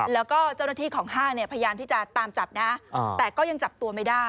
แล้วก็เจ้าหน้าที่ของห้างเนี่ยพยายามที่จะตามจับนะแต่ก็ยังจับตัวไม่ได้